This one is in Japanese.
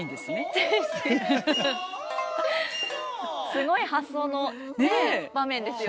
すごい発想の場面ですよね。